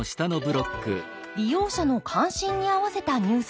利用者の関心にあわせたニュースです。